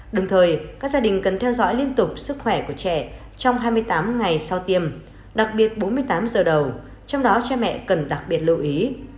đồng thời các gia đình cần theo dõi liên tục sức khỏe của trẻ trong hai mươi tám ngày sau tiêm đặc biệt bốn mươi tám giờ đầu trong đó cha mẹ cần đặc biệt lưu ý